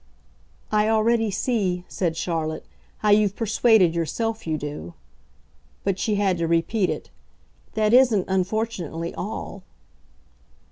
"I already see," said Charlotte, "how you've persuaded yourself you do." But she had to repeat it. "That isn't, unfortunately, all."